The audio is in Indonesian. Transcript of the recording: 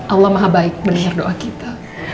allah maha baik mendengar doa kita